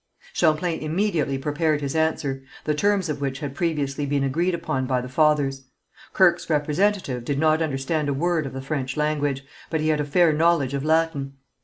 Champlain immediately prepared his answer, the terms of which had previously been agreed upon by the fathers. Kirke's representative did not understand a word of the French language, but he had a fair knowledge of Latin.